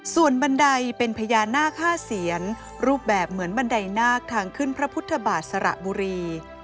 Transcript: ส่วนบันไดเป็นพญานาค๕เสียนรูปแบบเหมือนบันไดนาคทางขึ้นพระพุทธบาทสระบุรี